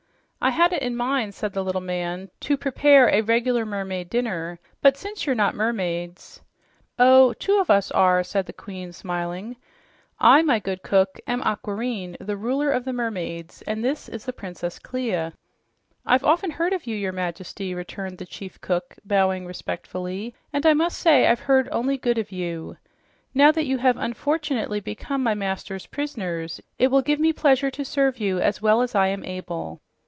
"I had it in mind," said the little man, "to prepare a regular mermaid dinner, but since you're not mermaids " "Oh, two of us are," said the Queen, smiling. "I, my good cook, am Aquareine, the ruler of the mermaids, and this is the Princess Clia." "I've often heard of you, your Majesty," returned the chief cook, bowing respectfully, "and I must say I've heard only good of you. Now that you have unfortunately become my master's prisoners, it will give me pleasure to serve you as well as I am able."